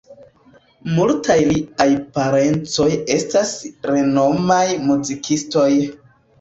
Multaj liaj parencoj estas renomaj muzikistoj.